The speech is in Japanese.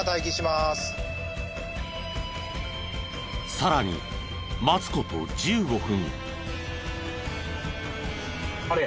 さらに待つ事１５分。